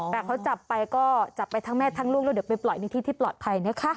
แต่เขาจับไปก็จับไปทั้งแม่ทั้งลูกแล้วเดี๋ยวไปปล่อยในที่ที่ปลอดภัยนะคะ